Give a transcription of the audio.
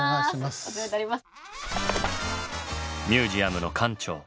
お世話になります。